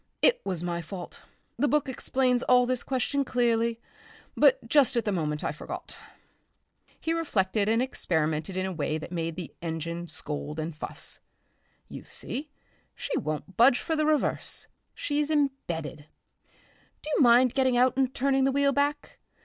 It was my fault. The book explains all this question clearly, but just at the moment I forgot." He reflected and experimented in a way that made the engine scold and fuss.... "You see, she won't budge for the reverse.... She's embedded.... Do you mind getting out and turning the wheel back?